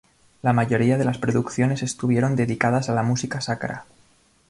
La mayoría de las producciones estuvieron dedicadas a la música sacra.